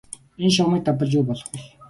Энэ шугамыг давбал юу болох бол?